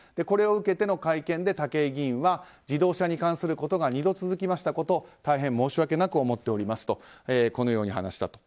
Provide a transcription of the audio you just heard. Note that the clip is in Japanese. これを受けての会見で武井議員は自動車に関することが２度続きましたこと大変申し訳なく思っておりますと話した。